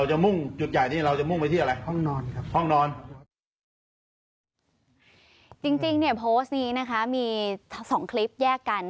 จริงโพสต์นี้มีสองคลิปแยกกัน